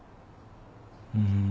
うん。